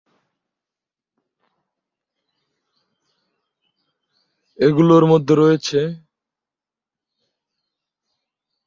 এগুলোর মধ্যে রয়েছেঃ